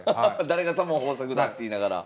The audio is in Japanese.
誰が左門豊作だって言いながら。